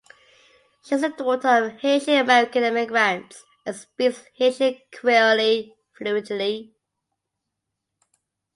She is the daughter of Haitian American immigrants and speaks Haitian Creole fluently.